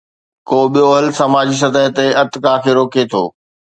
ڪو ٻيو حل سماجي سطح تي ارتقا کي روڪي ٿو.